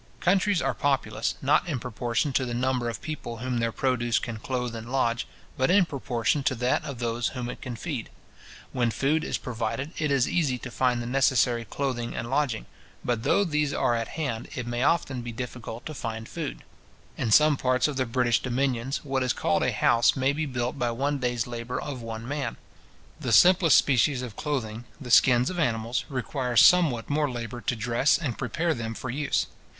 Countries are populous, not in proportion to the number of people whom their produce can clothe and lodge, but in proportion to that of those whom it can feed. When food is provided, it is easy to find the necessary clothing and lodging. But though these are at hand, it may often be difficult to find food. In some parts of the British dominions, what is called a house may be built by one day's labour of one man. The simplest species of clothing, the skins of animals, require somewhat more labour to dress and prepare them for use.